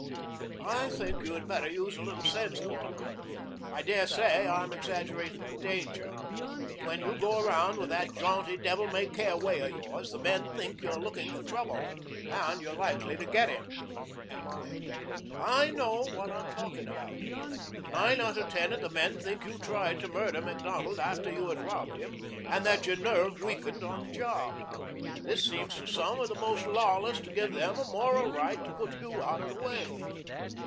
"I think you had better use a little sense, Gordon. I dare say I am exaggerating the danger. But when you go around with that jaunty, devil may care way of yours, the men think you are looking for trouble and you're likely to get it." "Am I?" "I know what I'm talking about. Nine out of ten of the men think you tried to murder Macdonald after you had robbed him and that your nerve weakened on the job. This seems to some of the most lawless to give them a moral right to put you out of the way.